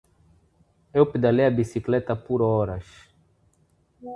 Eu pedalei a bicicleta por horas.